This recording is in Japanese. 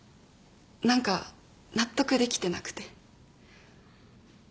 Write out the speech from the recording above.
何か納得できてなくて。